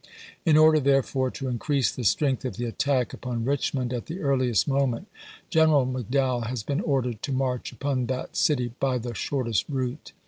In order therefore to increase the strength of the attack upon Richmond at the earliest moment. General Mc Dowell has been ordered to march upon that city by the shortest route.